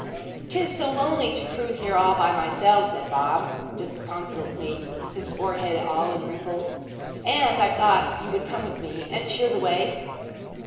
''Tis so lonely to cruise for her all by myself!' said Bob disconsolately, his forehead all in wrinkles, 'and I've thought you would come with me and cheer the way?'